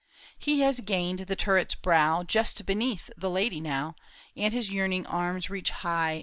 He has gained the turret's brow, Just beneath the lady now, And his yearning arms reach high.